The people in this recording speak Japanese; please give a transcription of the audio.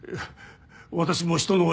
私も人の親。